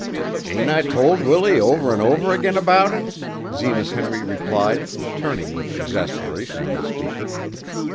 "Ain't I told Willie over an' over again about it?" Zenas Henry replied, turning with exasperation on the speaker.